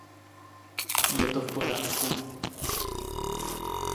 Je to v pořádku?